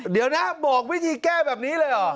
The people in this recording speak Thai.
เดี๋ยวนะบอกวิธีแก้แบบนี้เลยเหรอ